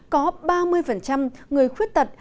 có ba mươi người khuyết tật